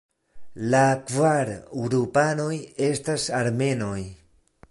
La kvar grupanoj estas Armenoj.